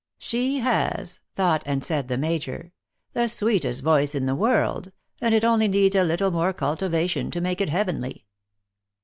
" She has," thought and said the major, " the sweetest voice in the world ; and it only needs a little more cultivation to make it heavenly